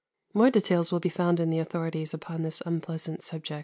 More details will be found in the authorities upon this unpleasant subject.